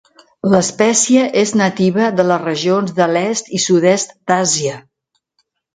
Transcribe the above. L'espècie és nativa de les regions de l'est i sud-est d'Àsia.